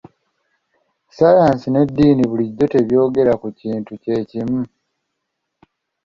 Saayansi n'eddiini bulijjo tebyogera kintu kye kimu.